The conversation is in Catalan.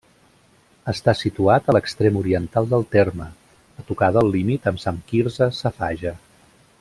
Està situat a l'extrem oriental del terme, a tocar del límit amb Sant Quirze Safaja.